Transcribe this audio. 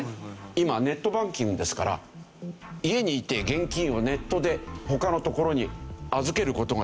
今ネットバンキングですから家にいて現金をネットで他のところに預ける事ができるわけですよ。